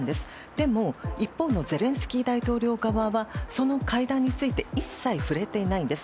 でも、一方のゼレンスキー大統領側はその会談について一切触れていなんです。